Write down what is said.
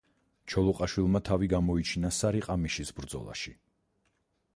ჩოლოყაშვილმა თავი გამოიჩინა სარიყამიშის ბრძოლაში.